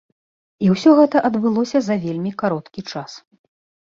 І ўсё гэта адбылося за вельмі кароткі час.